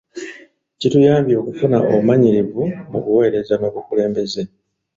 Kituyambye okufuna obumanyirivu mu buweereza n'obukulembeze.